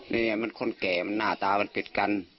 นี่ไงมันคนแก่มันหน้าตามันติดกัน